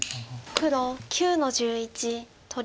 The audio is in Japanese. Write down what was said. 黒９の十一取り。